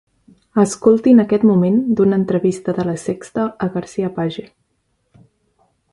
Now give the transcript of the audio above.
Escoltin aquest moment d'una entrevista de La Sexta a García-Page.